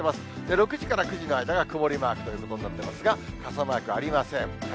６時から９時の間が曇りマークということになっていますが、傘マークありません。